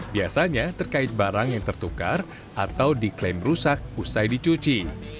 biasanya terkait barang yang tertukar atau diklaim rusak usai dicuci